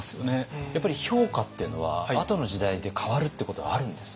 やっぱり評価っていうのはあとの時代で変わるっていうことはあるんですね。